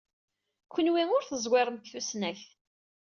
Kenwi ur teẓwirem deg tusnakt.